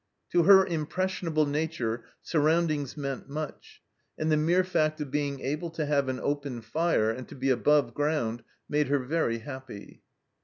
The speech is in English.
To her impressionable nature surroundings meant much, and the mere fact of being able to have an open fire and to be above ground made her very happy.